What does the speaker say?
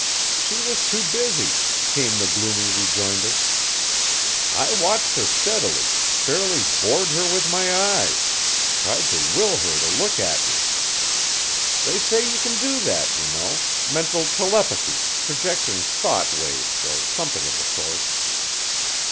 "She was too busy," came the gloomy rejoinder. "I watched her steadily, fairly bored her with my eyes tried to will her to look at me. They say you can do that, you know mental telepathy, projecting thought waves or something of the sort."